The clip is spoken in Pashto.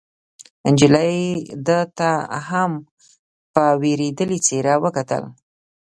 نجلۍ ده ته هم په وېرېدلې څېره وکتل.